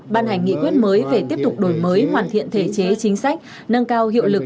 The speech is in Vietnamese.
ban hành nghị quyết mới về tiếp tục đổi mới hoàn thiện thể chế chính sách nâng cao hiệu lực